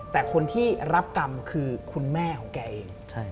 แต่คนที่รับกรรมคือคุณแม่ของแกเอง